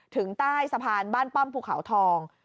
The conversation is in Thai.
ถึงใต้สะพานบ้านป้อมภูเขาทอง